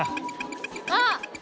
あっ！